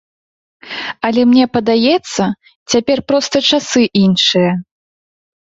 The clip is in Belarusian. Але мне падаецца, цяпер проста часы іншыя.